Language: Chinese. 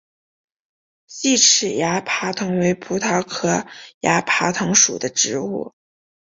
细齿崖爬藤为葡萄科崖爬藤属的植物。